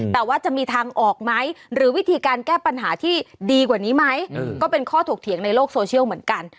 แต่ว่าจะมีทางออกไหมหรือวิธีการแก้ปัญหาที่ดีกว่านี้ไหมก็เป็นข้อถกเถียงในโลกโซเชียลเหมือนกัน